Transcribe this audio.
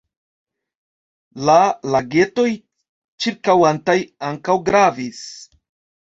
La lagetoj ĉirkaŭantaj ankaŭ gravis.